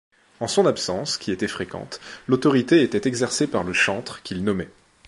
En son absence, qui était fréquente, l’autorité était exercée par le chantre, qu’il nommait.